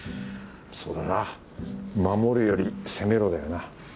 そうだな守るより攻めろだよな。